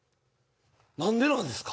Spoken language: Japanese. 何でなんですか！